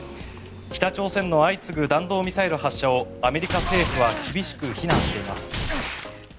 北朝鮮の相次ぐ弾道ミサイル発射をアメリカ政府は厳しく非難しています。